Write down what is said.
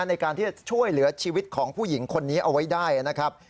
ในการที่จะช่วยเหลือชีวิตของผู้หญิงคนนี้เอาไว้ได้นะครับ